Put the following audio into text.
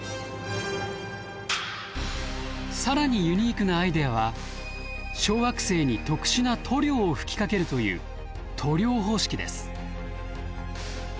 更にユニークなアイデアは小惑星に特殊な塗料を吹きかけるという塗料方式です。